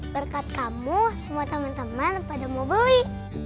berkat kamu semua teman teman pada mau beli